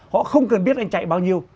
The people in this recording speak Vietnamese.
họ không cần biết anh chạy bao nhiêu